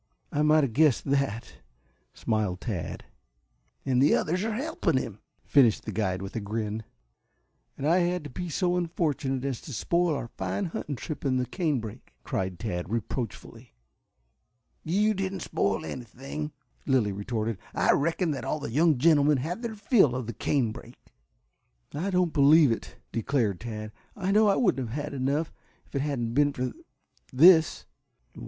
"I might have guessed that," smiled Tad. "And the others are helping him," finished the guide with a grin. "And I had to be so unfortunate as to spoil our fine hunting trip in the canebrake," cried Tad reproachfully. "You didn't spoil anything," Lilly retorted. "I reckon that all the young gentlemen had their fill of the canebrake." "I don't believe it," declared Tad. "I know I wouldn't have had enough, if it hadn't been for this."